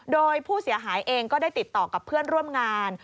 โดยผู้เสียหายเองก็ได้ติดต่อกับเพื่อนร่วมงาน